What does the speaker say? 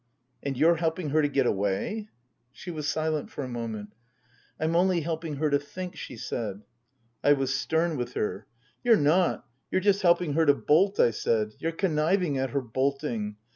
" And you're helping her to get away ?" She was silent for a moment. " I'm only helping her to think," she said. I was stern with her. " You're not. You're just helping her to bolt," I said. " You're conniving at her bolting.